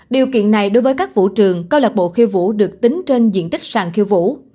điều kiện này đối với các vũ trường câu lạc bộ khiêu vũ được tính trên diện tích sàn khiêu vũ